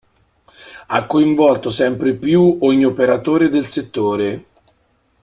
Ha coinvolto sempre più ogni operatore del settore.